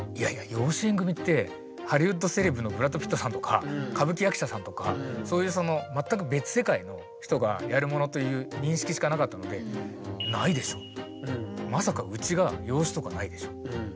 養子縁組ってハリウッドセレブのブラッド・ピットさんとか歌舞伎役者さんとかそういう全く別世界の人がやるものという認識しかなかったのでまさかうちが養子とかないでしょっていう。